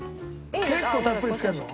結構たっぷりつけるの？